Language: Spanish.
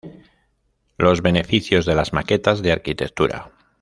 Los beneficios de las maquetas de arquitectura